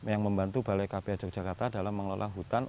yang membantu balai kph yogyakarta dalam pengelolaan hutan